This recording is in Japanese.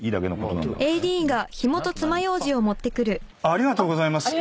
ありがとうございます。